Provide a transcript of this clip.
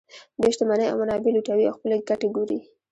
دوی شتمنۍ او منابع لوټوي او خپلې ګټې ګوري